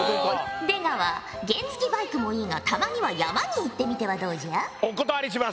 出川原付きバイクもいいがたまには山に行ってみてはどうじゃ？